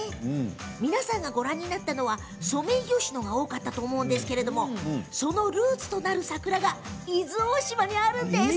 皆さんが見たのはソメイヨシノが多かったと思うんですけどそのルーツとなる桜が伊豆大島にあるんです。